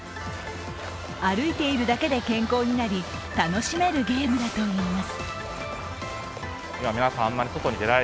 歩いているだけで健康になり、楽しめるゲームだといいます。